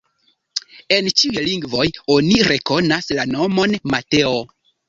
En ĉiuj lingvoj oni rekonas la nomon Mateo.